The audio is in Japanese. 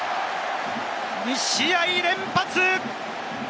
２試合連発！